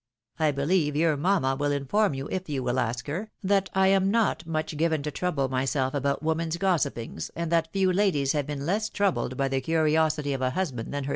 I believe your mamma will inform you, if you wiU ask her, that I am not much given to trouble myself about women's gossipings, and that few ladies have been less troubled by the curiosity of a husband than her seK.